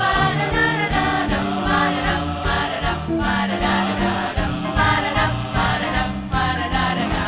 อาคารจริงกลงแต่มีแสง